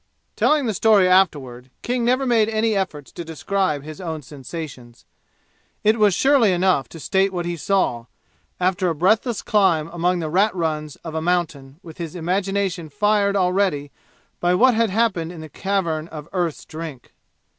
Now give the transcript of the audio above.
Telling the story afterward King never made any effort to describe his own sensations. It was surely enough to state what he saw, after a breathless climb among the rat runs of a mountain with his imagination fired already by what had happened in the Cavern of Earth's Drink.